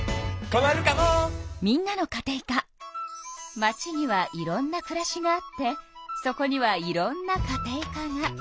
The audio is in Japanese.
街にはいろんなくらしがあってそこにはいろんなカテイカが。